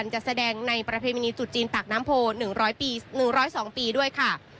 จะแสดงในประเพณีจุดจีนปากน้ำโพ๑๐๒ปีด้วยค่ะ